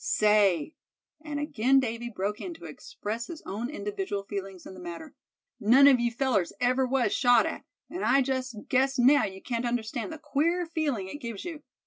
"Say," and again Davy broke in to express his own individual feelings in the matter, "none of you fellers ever was shot at, and I just guess now you can't understand the queer feeling it gives you.